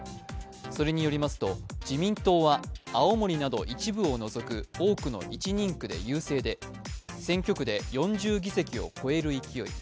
それによりますと自民党は青森など一部を除く多くの１人区で優勢で選挙区で４０議席を超える勢い。